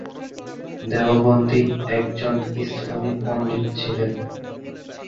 দেওবন্দি একজন ইসলামী পণ্ডিত ছিলেন।